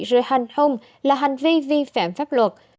rồi hành hung là hành vi vi phạm pháp luật